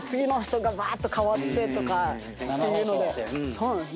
そうなんです。